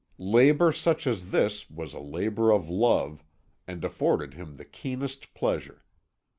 Labour such as this was a labour of love, and afforded him the keenest pleasure.